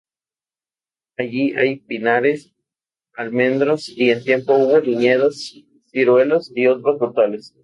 Allí hay pinares, almendros y en tiempo hubo viñedos, ciruelos y otros frutales.